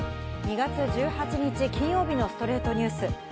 ２月１８日、金曜日の『ストレイトニュース』。